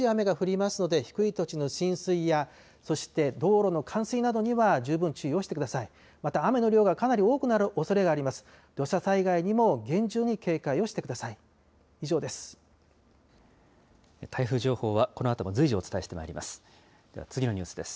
また雨の量がかなり多くなるおそれがあります。